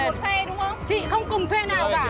anh nghĩ chị không cùng phe đúng không